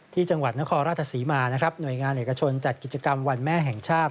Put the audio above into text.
ที่จังหวัดนครราชศรีมานะครับหน่วยงานเอกชนจัดกิจกรรมวันแม่แห่งชาติ